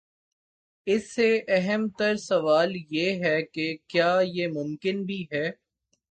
اس سے اہم تر سوال یہ ہے کہ کیا یہ ممکن بھی ہے؟